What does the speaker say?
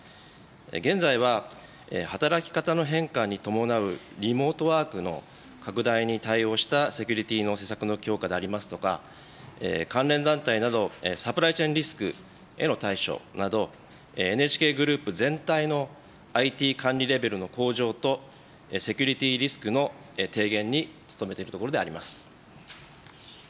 現在は、働き方の変化に伴うリモートワークの拡大に対応したセキュリティの施策の強化でありますとか、関連団体など、サプライチェーンリスクへの対処など、ＮＨＫグループ全体のＩＴ管理レベルの向上と、セキュリティリスクの低減に努めているところであります。